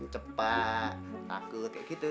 cepat aku kakek kita